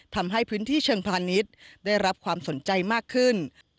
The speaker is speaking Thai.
ทำให้พื้นที่เชิงพาณิชย์ได้รับความสนใจมากขึ้น